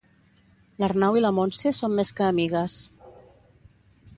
L'Arnau i la Montse són més que amigues.